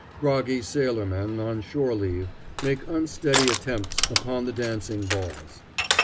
Groggy sailormen, on shore leave, make unsteady attempts upon the dancing balls.